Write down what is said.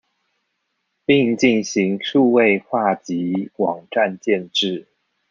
並進行數位化及網站建置